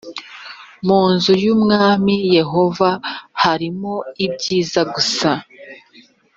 mu nzu y’umwami yehova arimo ibyiza gusa